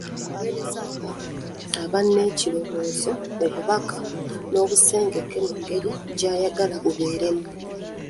Aweereza aba n'ekirowoozo, obubaka, n'abusengeka mu ngeri gy'ayagala bubeeremu.